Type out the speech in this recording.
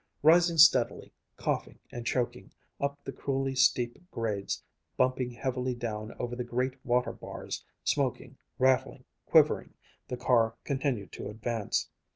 Rising steadily, coughing and choking, up the cruelly steep grades, bumping heavily down over the great water bars, smoking, rattling, quivering the car continued to advance.